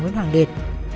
nguyễn hoàng liệt